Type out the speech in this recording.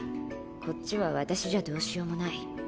こっちは私じゃどうしようもない。